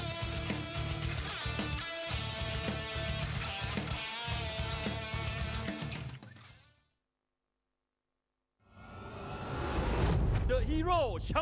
มีความรู้สึกว่า